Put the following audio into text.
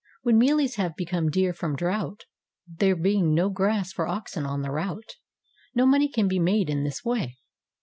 When mealies have become dear from drought, — there being no grass for oxen on the route, — no money can be made in this way.